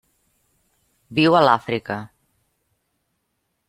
Viu a l'Àfrica.